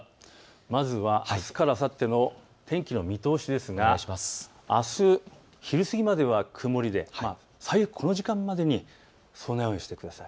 まずはあすからあさっての天気の見通しですがあす昼過ぎまでは曇りで、最悪この時間までに備えをしてください。